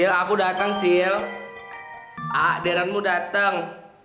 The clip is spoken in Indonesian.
sil aku dateng sil ah derenmu dateng